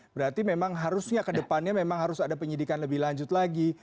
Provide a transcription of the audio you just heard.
berarti memang harusnya ke depannya memang harus ada penyidikan lebih lanjut lagi